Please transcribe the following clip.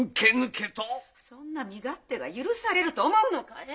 そんな身勝手が許されると思うのかえ？